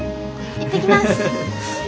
行ってきます。